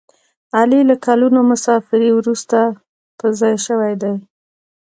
علي له کلونو مسافرۍ ورسته په ځای شوی دی.